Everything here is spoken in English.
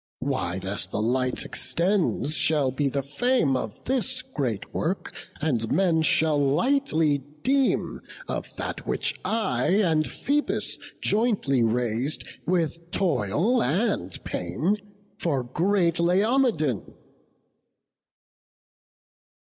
Wide as the light extends shall be the fame Of this great work, and men shall lightly deem Of that which I and Phoebus jointly rais'd, With toil and pain, for great Laomedon."